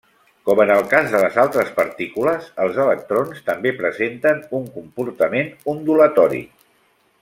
Com en el cas de les altres partícules, els electrons també presenten un comportament ondulatori.